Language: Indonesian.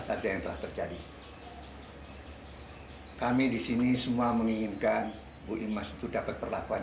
saja yang telah terjadi hai kami disini semua menginginkan bu imas itu dapat perlakuan